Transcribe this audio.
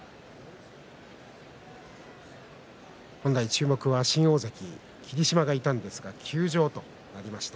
注目は新大関霧島がいたんですが休場となりました。